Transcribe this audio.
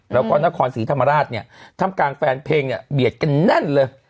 แล้วก็นครศรีธรรมราชเนี่ยทำกลางแฟนเพลงเนี่ยเบียดกันแน่นเลย